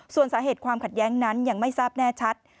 ส่วนสาเหตุความขัดแย้งนั้นยังไม่ทราบแน่ชัด